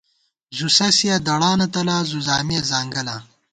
زُوسَسِیَہ دڑانہ تلا ، زُوزامِیہ ځانگلاں